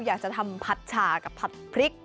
อยากจะทำผัดฉากับผัดพริก